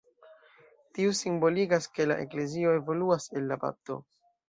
Tiu simboligas, ke la eklezio evoluas el la bapto.